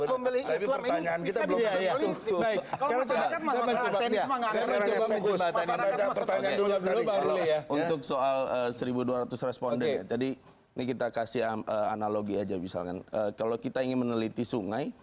untuk soal seribu dua ratus responden ya jadi ini kita kasih analogi aja misalkan kalau kita ingin meneliti sungai